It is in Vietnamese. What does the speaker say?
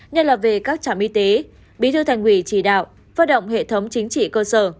nhất là về các trạm y tế bí thư thành ủy chỉ đạo phát động hệ thống chính trị cơ sở